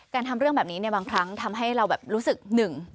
ทำเรื่องแบบนี้เนี่ยบางครั้งทำให้เราแบบรู้สึกหนึ่ง